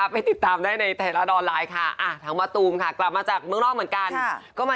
ไปติดตามได้ในแต่ละดอนไลน์ค่ะ